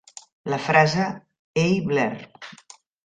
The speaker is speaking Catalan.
La frase "Ei, Blair.